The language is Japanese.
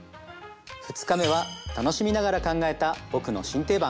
２日目は楽しみながら考えた「ぼくの新定番」。